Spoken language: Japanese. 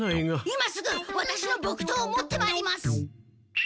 今すぐワタシの木刀を持ってまいります！